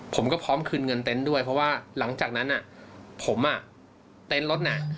ผมก็พร้อมคืนเงินเต็นต์ด้วยเพราะว่าหลังจากนั้นผมอ่ะเต็นต์รถน่ะ